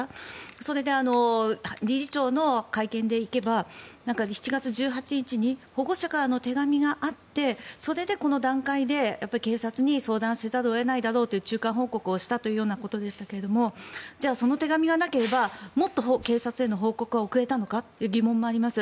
それで理事長の会見で行けば７月１８日に保護者からの手紙があってそれでこの段階で警察に相談せざるを得ないだろうという中間報告をしたということでしたがじゃあ、その手紙がなければもっと警察への報告が遅れたのかという疑問もあります。